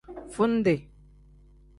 Fundi.